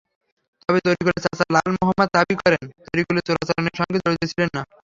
তবে তরিকুলের চাচা লাল মোহাম্মদ দাবি করেন, তরিকুল চোরাচালানের সঙ্গে জড়িত ছিলেন না।